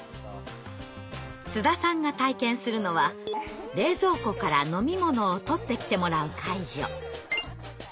津田さんが体験するのは冷蔵庫から飲み物を取ってきてもらう介助。